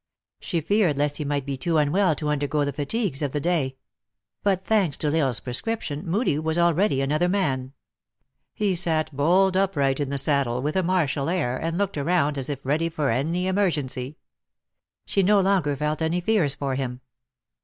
She feared lest he might be too unwell to undergo the fatigues of the day. But, thanks to L lsle s prescription, Moodie was already another man. He sat bolt upright in the saddle, with a martial air, and looked around as if ready for any emergency. She no longer felt any fears for him.